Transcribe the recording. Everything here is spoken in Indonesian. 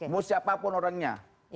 mau siapapun orangnya